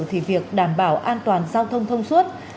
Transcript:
thì việc đảm bảo an toàn giao thông thông suốt